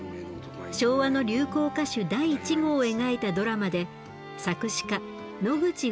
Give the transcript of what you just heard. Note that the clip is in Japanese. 昭和の流行歌手第一号を描いたドラマで作詞家野口雨情の役です。